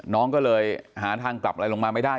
น้องก็เลยหาทางกลับอะไรลงมาไม่ได้